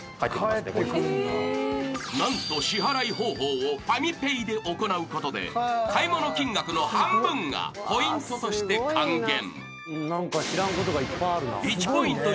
［何と支払い方法をファミペイで行うことで買い物金額の半分がポイントとして還元］